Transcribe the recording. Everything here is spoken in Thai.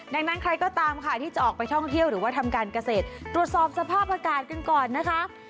ดังนั้นใครก็ตามค่ะที่จะออกไปท่องเที่ยวหรือว่าทำการเกษตรตรวจสอบสภาพอากาศกันก่อนนะคะ